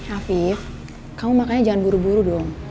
afif kamu makannya jangan buru buru dong